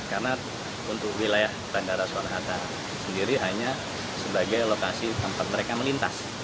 karena untuk wilayah bandara soekarno hatta sendiri hanya sebagai lokasi tempat mereka melintas